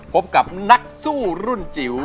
พบกับนักสู้รุ่นจิ๋ว